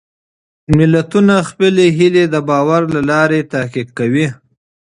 ملتونه خپلې هېلې د باور له لارې تحقق کوي.